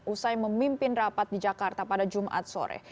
usai memimpin rapat di jakarta pada jumat sore